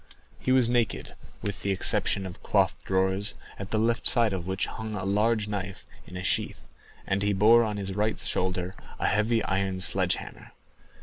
He was naked, with the exception of cloth drawers at the left side of which hung a large knife in a sheath, and he bore on his right shoulder a heavy iron sledge hammer.